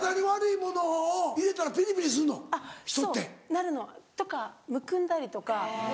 なるのとかむくんだりとか。